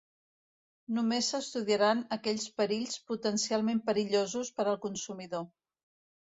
Només s'estudiaran aquells perills potencialment perillosos per al consumidor.